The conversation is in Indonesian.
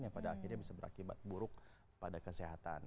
yang pada akhirnya bisa berakibat buruk pada kesehatan